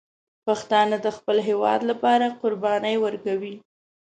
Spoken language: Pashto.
پښتانه د خپل هېواد لپاره قرباني ورکوي.